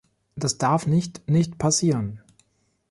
Das darf nicht nicht passieren.